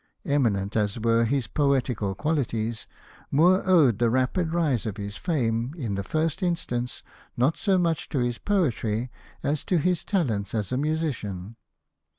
Eminent as were his poetical qualities, Moore owed the rapid rise of his fame, in the first instance, not so much to his poetry as to his talents as a musician.